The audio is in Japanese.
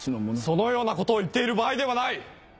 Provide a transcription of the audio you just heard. そのようなことを言っている場合ではない！